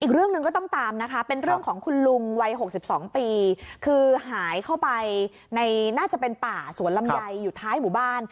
อีกเรื่องหนึ่งก็ต้องตามนะคะเป็นเรื่องของคุณลุงวัย๖๒ปีคือหายเข้าไปในน่าจะเป็นป่าสวนลำไยอยู่ท้ายหมู่บ้าน